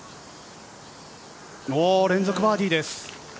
連続バーディーです。